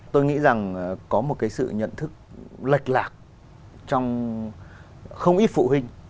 tôi nghĩ rằng có một cái sự nhận thức lệch lạc trong không ít phụ huynh